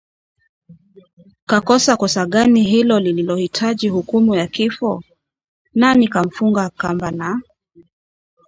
kakosa kosa gani hilo lililohitaji hukumu ya kifo? Nani kamfunga kamba na